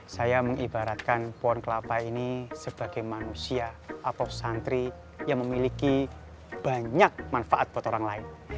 saya mengibaratkan pohon kelapa ini sebagai manusia atau santri yang memiliki banyak manfaat buat orang lain